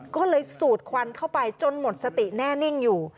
ก็เลยสูดควันเข้าไปจนหมดสติแน่นิ่งอยู่